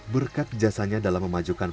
berkat jasanya dalam memajukan